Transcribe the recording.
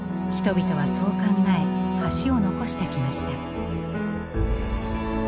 人々はそう考え橋を残してきました。